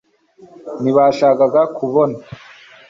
ntibashakaga kubona